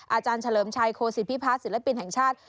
อาจารย์เฉลิมชัยโคศิพิพัฒน์ศิลปินแห่งชาติ